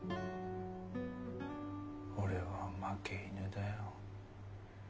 「俺は負け犬だよ」